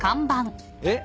えっ？